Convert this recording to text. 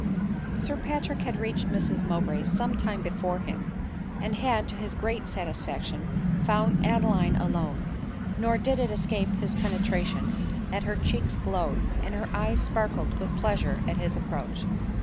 Sir Patrick had reached Mrs Mowbray's some time before him, and had, to his great satisfaction, found Ade line alone; nor did it escape his penetration that her cheeks glowed, and her eyes sparkled with pleasure at his approach.